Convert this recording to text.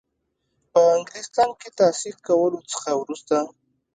په انګلستان کې تحصیل کولو څخه وروسته.